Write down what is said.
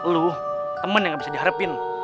lu temen yang gak bisa dihadapin